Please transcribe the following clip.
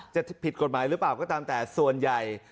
จะผิดกฎหมายหรือเปล่าก็ตามแต่ส่วนใหญ่